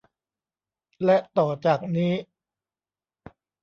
และต่อจากนี้